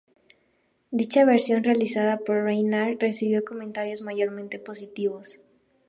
Dicha versión realizada por Reinhart recibió comentarios mayormente positivos.